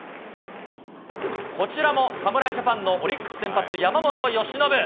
こちらも侍ジャパンのオリックス先発の山本由伸。